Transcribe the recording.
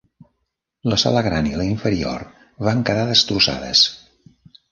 La sala gran i la inferior van quedar destrossades.